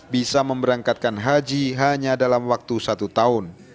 bisa memberangkatkan haji hanya dalam waktu satu tahun